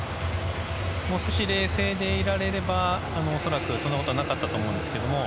もう少し冷静でいられればおそらく、そんなことはなかったと思うんですけれども。